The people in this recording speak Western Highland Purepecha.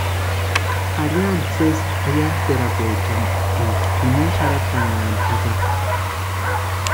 Arhintʼa sésï eyamperakweechani énka jimini xarhatanhani jaka.